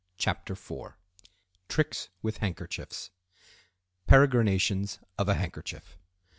CHAPTER IV TRICKS WITH HANDKERCHIEFS Peregrinations of a Handkerchief.